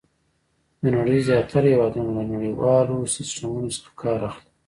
د نړۍ زیاتره هېوادونه له نړیوالو سیسټمونو څخه کار اخلي.